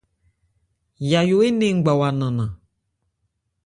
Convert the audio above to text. Yayó énɛn ngbawa nannan.